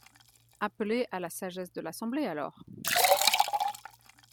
Appelez à la sagesse de l’Assemblée, alors